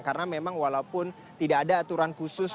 karena memang walaupun tidak ada aturan khusus